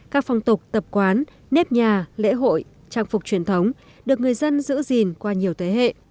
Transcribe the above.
các phong tục tập quán nếp nhà lễ hội trang phục truyền thống được người dân giữ gìn qua nhiều thế hệ